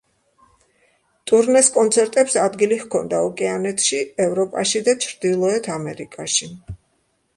ტურნეს კონცერტებს ადგილი ჰქონდა ოკეანეთში, ევროპაში და ჩრდილოეთ ამერიკაში.